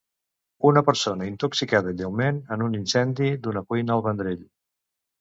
Una persona intoxicada lleument en un incendi d'una cuina al Vendrell.